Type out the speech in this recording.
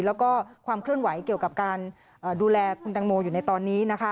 แล้วก็ความเคลื่อนไหวเกี่ยวกับการดูแลคุณตังโมอยู่ในตอนนี้นะคะ